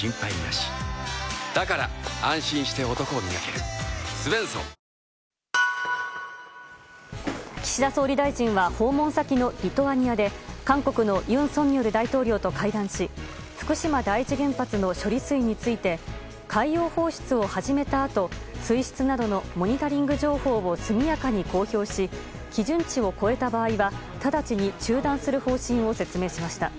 まさかほんまやＴＯＴＯびっくリーン技術のネオレスト岸田総理大臣は訪問先のリトアニアで韓国の尹錫悦大統領と会談し福島第一原発の処理水について海洋放出を始めたあと水質などのモニタリング情報を速やかに公表し基準値を超えた場合は、直ちに中断する方針を説明しました。